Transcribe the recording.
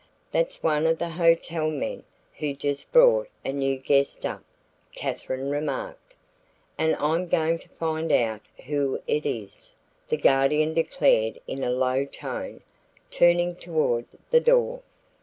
"That's one of the hotel men who just brought a new guest up," Katherine remarked. "And I'm going to find out who it is," the Guardian declared in a low tone, turning toward the door.